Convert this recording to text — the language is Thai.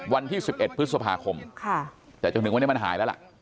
วันที่๑๑พฤษภาคมแต่จนถึงวันนี้มันหายแล้วล่ะ